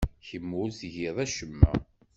Kemm ur tgiḍ acemma.